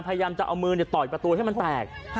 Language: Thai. พยายามจะเอามือต่อยประตูให้มันแตก